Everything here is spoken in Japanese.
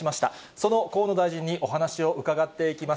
その河野大臣にお話を伺っていきます。